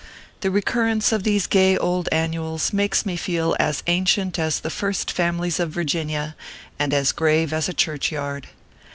The recurrence of these gay old annuals makes me feel as ancient as the First Families of Virginia, and as grave as a church yard.